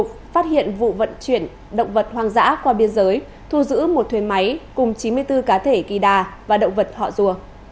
phát hiện vụ vận chuyển động vật hoang dã qua biên giới thu giữ một thuyền máy cùng chín mươi bốn cá thể kỳ đà và động vật họ rùa